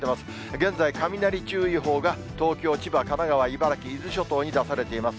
現在、雷注意報が東京、千葉、神奈川、茨城、伊豆諸島に出されています。